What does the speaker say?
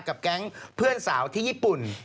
แก๊งเพื่อนสาวที่ญี่ปุ่น